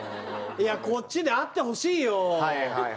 いやこっちであってほしいよ。